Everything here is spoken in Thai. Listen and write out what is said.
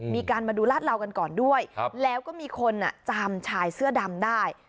มาดูลาดเหลากันก่อนด้วยแล้วก็มีคนจำชายเสื้อดำได้